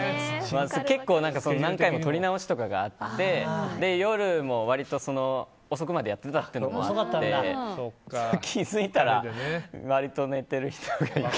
結構何回も撮り直しとかがあって夜遅くまでやってたのもあって気づいたら、割と寝てる人がいて。